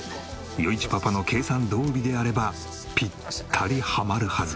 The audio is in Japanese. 余一パパの計算どおりであればピッタリハマるはず。